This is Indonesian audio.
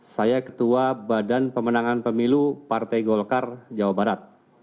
saya ketua badan pemenangan pemilu partai golkar jawa barat